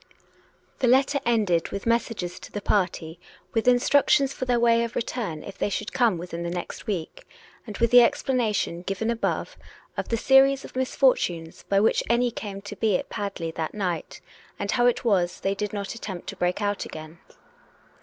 The letter ended with messages to the party, with in structions for their way of return if they should come within the next week; and with the explanation, given above, of the series of misfortunes by which any came to be at Pad 374 COME RACK! COME ROPE! ley that night, and how it was that they did not attempt to break out again.